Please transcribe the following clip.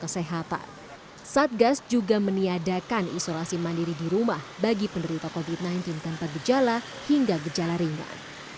satgas juga meniadakan isolasi mandiri di rumah bagi penderita covid sembilan belas tanpa gejala hingga gejala ringan